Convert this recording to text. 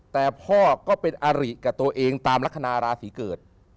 แต่พ่อก็เป็นอาริกับตัวเองตามลักษณะราศีเกิด